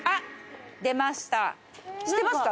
知ってますか？